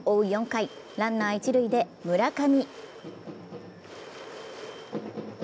４回、ランナーは一塁で村上。